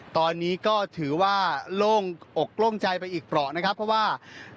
ตอนนี้ก็ถือว่าโล่งอกโล่งใจไปอีกเปราะนะครับเพราะว่า